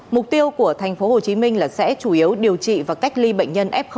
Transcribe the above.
mục tiêu của tp hcm là sẽ chủ yếu điều trị và cách ly bệnh nhân f một